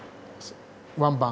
ワンバン。